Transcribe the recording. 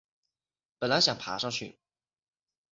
本来想爬上去